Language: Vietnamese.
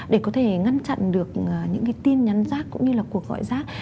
để có thể ngăn chặn được những cái tin nhắn rác cũng như là cuộc gọi rác